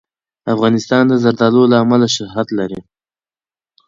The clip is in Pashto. افغانستان د زردالو له امله شهرت لري.